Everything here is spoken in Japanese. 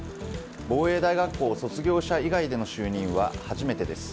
防衛大学校卒業者以外の就任は初めてです。